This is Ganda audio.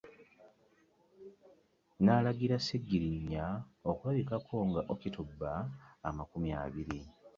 N'alagira Ssegirinnya okulabikako nga October amakumi abiri